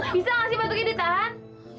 bisa gak sih batuk ini ditahan